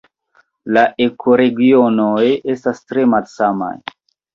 La ekoregionoj estas tre malsamaj.